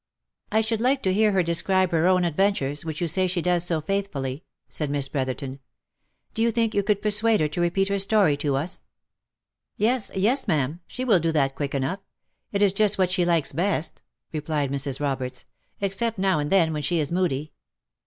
" I should like to hear her describe her own adventures, which you say she does so faithfully," said Miss Brotherton. " Do you think you could persuade her to repeat her story to us V " Yes, yes, ma'am ; she will do that quick enough ; it is just what she likes best," replied Mrs. Roberts ;" except now and then when she is moody.